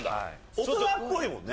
大人っぽいもんね。